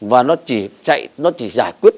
và nó chỉ chạy nó chỉ giải quyết